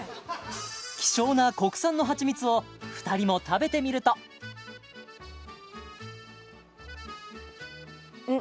希少な国産のはちみつを２人も食べてみるとうん！